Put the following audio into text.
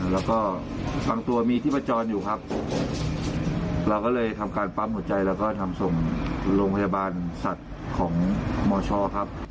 แล้วก็บางตัวมีชีพจรอยู่ครับเราก็เลยทำการปั๊มหัวใจแล้วก็ทำส่งโรงพยาบาลสัตว์ของมชครับ